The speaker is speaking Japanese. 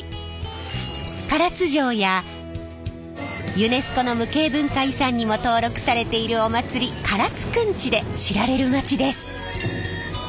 ユネスコの無形文化遺産にも登録されているお祭り唐津くんちで知られる街です。